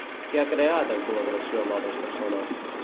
Què ha creat, en col·laboració amb altres persones?